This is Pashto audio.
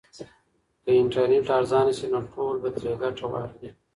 که انټرنیټ ارزانه سي نو ټول به ترې ګټه واخلي.